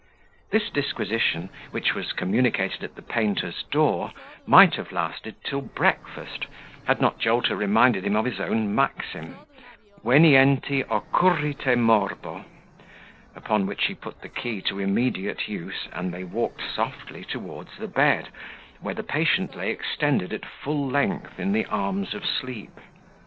This disquisition, which was communicated at the painter's door, might have lasted till breakfast, had not Jolter reminded him of his own maxim, Venienti occurrite morbo; upon which he put the key to immediate use, and they walked softly towards the bed, where the patient lay extended at full length in the arms of sleep.